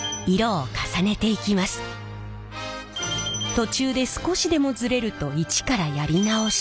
途中で少しでもズレると一からやり直し。